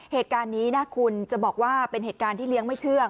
เหตุการณ์นี้นะคุณจะบอกว่าเป็นเหตุการณ์ที่เลี้ยงไม่เชือก